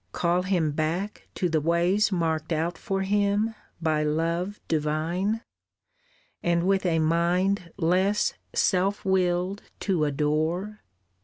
Call him back To ways marked out for him by Love divine? And with a mind less self willed to adore?